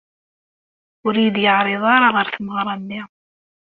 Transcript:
Ur iyi-d-yeɛriḍ ara ɣer tmeɣra-nni.